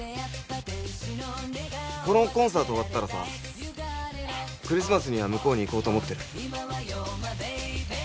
このコンサート終わったらさクリスマスには向こうに行こうと思ってる。